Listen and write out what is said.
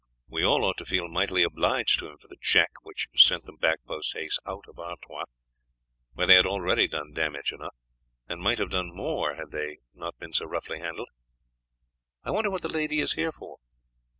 We all ought to feel mightily obliged to him for the check, which sent them back post haste out of Artois, where they had already done damage enough, and might have done more had they not been so roughly handled. I wonder what the lady is here for?"